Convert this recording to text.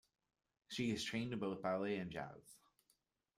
She is trained in both ballet and jazz.